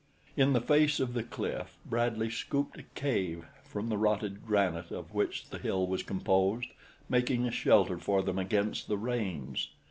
In the face of the cliff, Bradley scooped a cave from the rotted granite of which the hill was composed, making a shelter for them against the rains.